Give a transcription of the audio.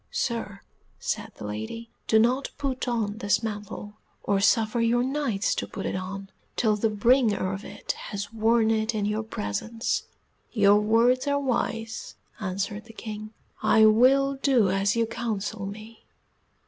"Sir," said the lady, "do not put on this mantle, or suffer your Knights to put it on, till the bringer of it has worn it in your presence." "Your words are wise," answered the King, "I will do as you counsel me.